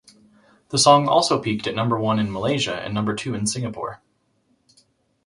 The song also peaked at number one in Malaysia and number two in Singapore.